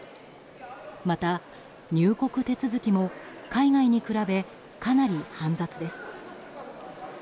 また、入国手続きも海外に比べかなり煩雑です。